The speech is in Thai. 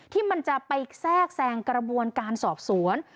ที่มันจะไปแทรกแซงกระบวนการสอบสวน